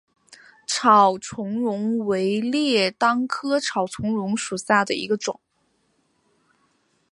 草苁蓉为列当科草苁蓉属下的一个种。